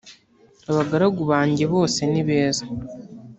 Abagaragu banjye bose nibeza.